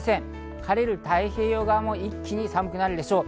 晴れる太平洋側も一気に寒くなるでしょう。